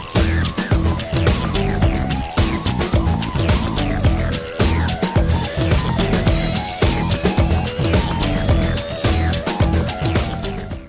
โปรดติดตามต่อไป